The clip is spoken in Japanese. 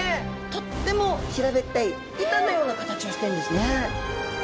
とっても平べったい板のような形をしてるんですね。